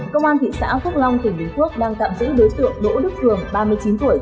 công an thị xã phúc long tỉnh bình quốc đang tạm giữ đối tượng đỗ đức phường ba mươi chín tuổi